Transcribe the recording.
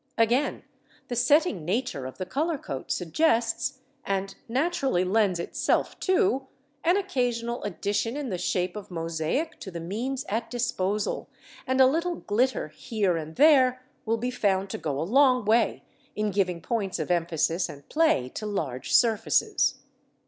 Again, the setting nature of the colour coat suggests, and naturally lends itself to, an occasional addition in the shape of mosaic to the means at disposal, and a little glitter here and there will be found to go a long way in giving points of emphasis and play to large surfaces.